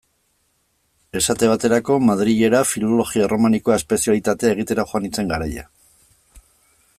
Esate baterako, Madrilera Filologia Erromanikoa espezialitatea egitera joan nintzen garaia.